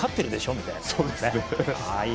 みたいなね。